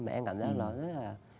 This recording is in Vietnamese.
mà em cảm thấy nó rất là